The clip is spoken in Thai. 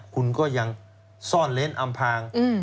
คุณก็ยังซ่อนเล้นอำพาง